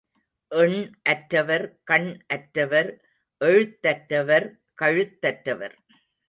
எண் அற்றவர் கண் அற்றவர் எழுத்தற்றவர் கழுத்தற்றவர்.